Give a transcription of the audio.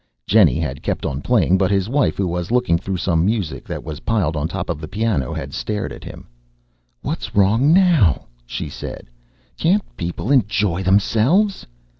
Jennie had kept on playing, but his wife, who was looking through some music that was piled on the top of the piano, had stared at him. "What's wrong now?" she said; "can't people enjoy themselves?"